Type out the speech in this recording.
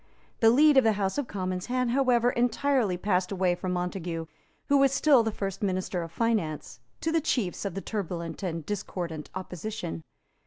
The lead of the House of Commons had, however, entirely passed away from Montague, who was still the first minister of finance, to the chiefs of the turbulent and discordant opposition.